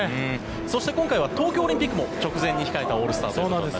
そして、今回は東京オリンピックも直前に控えたオールスターとなります。